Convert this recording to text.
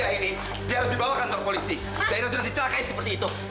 dia kemana lagi lah ini dia harus dibawa ke kantor polisi zairah sudah ditolakain seperti itu